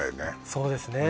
そうですね